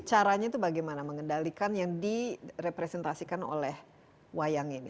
caranya itu bagaimana mengendalikan yang direpresentasikan oleh wayang ini